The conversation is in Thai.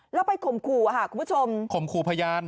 แล้วไปข่มครูอ่ะคุณผู้ชมข่มครูพยาน